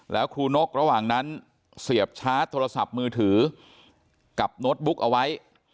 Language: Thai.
แล้วครูนกระหว่างนั้นเสียบชาร์จโทรศัพท์มือถือกับโน้ตบุ๊กเอาไว้